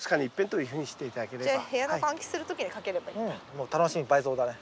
もう楽しみ倍増だね。